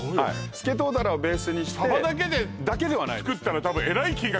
スケトウダラをベースにしてだけではないですね